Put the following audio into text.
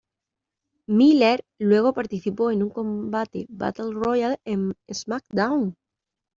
Miller luego participó en un combate Battle Royal en SmackDown!